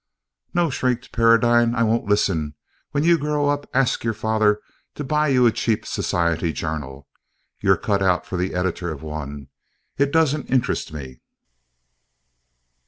"No!" shrieked Paradine, "I won't listen. When you grow up, ask your father to buy you a cheap Society journal. You're cut out for an editor of one. It doesn't interest me."